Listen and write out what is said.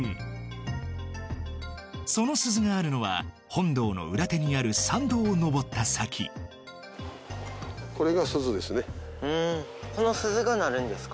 その鈴があるのは本堂の裏手にある山道を登った先この鈴が鳴るんですか？